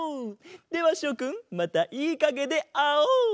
ではしょくんまたいいかげであおう。